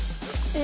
え！